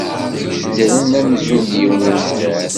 Ddren amzun d yiwen umdan.